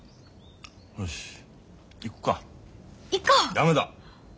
駄目だ。